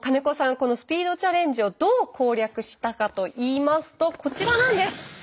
このスピードチャレンジをどう攻略したかといいますとこちらなんです。